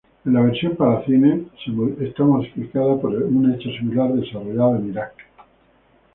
En la versión para cine es modificada por un hecho similar desarrollado en Irak.